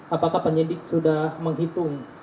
apakah penyidik sudah menghitung